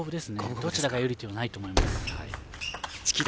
どちらが有利というのはないと思います。